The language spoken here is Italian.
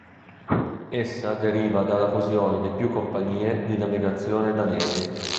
Essa deriva dalla fusione di più compagnie di navigazione danesi.